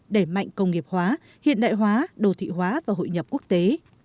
đẩy mạnh công nghiệp hóa hiện đại hóa đồ thị hóa và hội nhập quốc tế